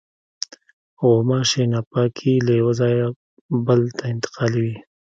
غوماشې ناپاکي له یوه ځایه بل ته انتقالوي.